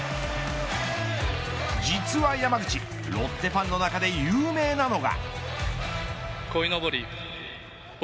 実は山口ロッテファンの中で有名なのが。